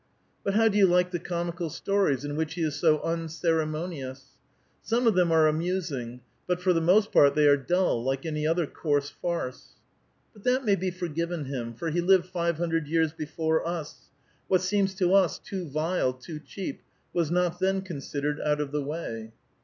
'* But how do you like the comical stories, in which he is Bo unceremonious ?"" Some of them are amusing, but for the most part they are dull, like any other coarse farce." "But that ma3' be forgiven him, for he lived five hundred 3'ears before us ; what seems to us too vile, too cheap, was not then considered out of the way."